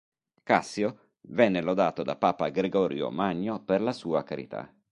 Cassio venne lodato da Papa Gregorio Magno, per la sua carità.